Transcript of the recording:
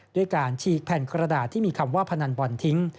ด้วยการฉีกแผ่นกระดาษที่มีคำว่าพนันบอลทิ้ง